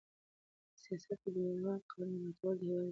په سیاست کې د نړیوالو قوانینو مراعاتول د هېواد اعتبار زیاتوي.